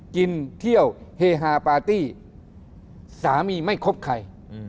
กินเที่ยวเฮฮาปาร์ตี้สามีไม่คบใคร